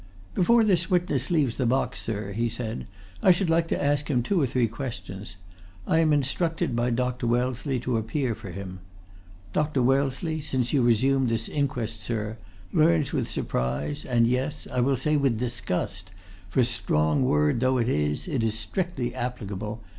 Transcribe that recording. "Before this witness leaves the box, sir," he said, "I should like to ask him two or three questions. I am instructed by Dr. Wellesley to appear for him. Dr. Wellesley, since you resumed this inquest, sir, learns with surprise and yes, I will say disgust for strong word though it is, it is strictly applicable!